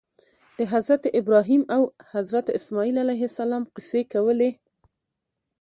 د حضرت ابراهیم او حضرت اسماعیل علیهم السلام قصې کولې.